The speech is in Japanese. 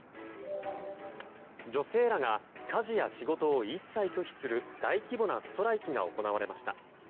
女性らが家事や仕事を一切拒否する大規模なストライキが行われました。